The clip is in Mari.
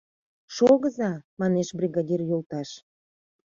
— Шогыза, — манеш, — бригадир йолташ!